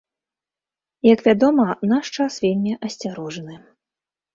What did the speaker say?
Як вядома, наш час вельмі асцярожны.